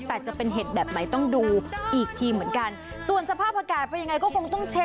แต่จะเป็นเห็ดแบบไหนต้องดูอีกทีเหมือนกันส่วนสภาพอากาศเป็นยังไงก็คงต้องเช็ค